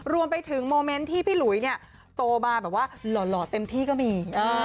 รวมไปถึงโมเมนต์ที่พี่หลุยเนี่ยโตมาแบบว่าหล่อเต็มที่ก็มี